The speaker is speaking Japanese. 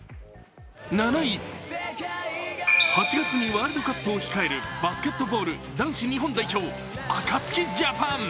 ７位、８月にワールドカップを控えるバスケットボール男子日本代表、ＡＫＡＴＳＵＫＩＪＡＰＡＮ。